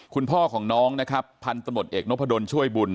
คุณพ่อของน้องนะครับพันธุ์ตำรวจเอกนพดลช่วยบุญ